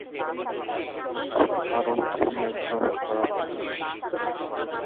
কারণ তুমি একজন খারাপ মানুষ!